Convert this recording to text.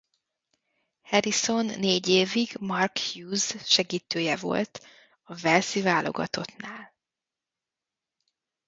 Harrison négy évig Mark Hughes segítője volt a walesi válogatottnál.